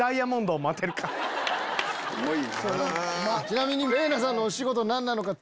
ちなみにれいなさんのお仕事何なのか？